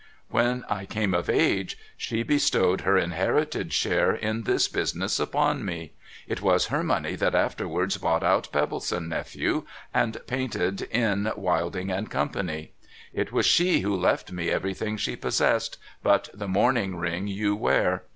When I came of age, she bestowed her inherited share in this business upon me ; it was her money that afterwards bought out Pebbleson Nephew, and painted in Wilding and Co. ; it was she who left me everything she possessed, but the mourning ring you wear.